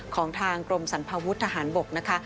ของทางกรมสันพวุฒิทหารบก